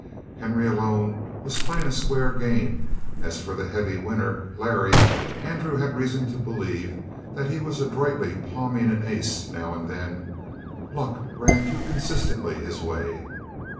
Henry, alone, was playing a square game; as for the heavy winner, Larry, Andrew had reason to believe that he was adroitly palming an ace now and then luck ran too consistently his way.